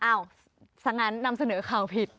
อ้าวสังงานนำเสนอข่าวผิด